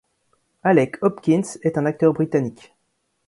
Alec Hopkins est un acteur britannique.